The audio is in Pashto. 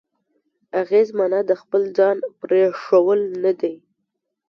اغېز معنا د خپل ځان پرېښوول نه دی.